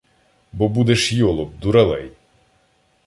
Бо будеш йолоп, дуралей.